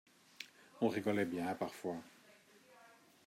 On rigolait bien parfois.